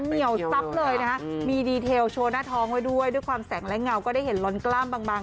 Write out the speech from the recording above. เหนียวซับเลยนะฮะมีดีเทลโชว์หน้าท้องไว้ด้วยด้วยความแสงและเงาก็ได้เห็นลอนกล้ามบาง